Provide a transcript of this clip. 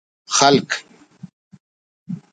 خلق